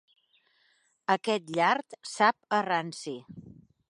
Aquest llard sap a ranci.